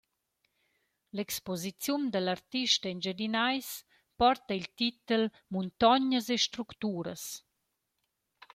L’exposiziun dal artist engiadinais porta il titel «muntognas e structuras».